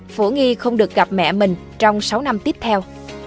phổ nghi không được gặp mẹ mình trong sáu năm tiếp theo